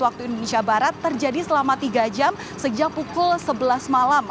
waktu indonesia barat terjadi selama tiga jam sejak pukul sebelas malam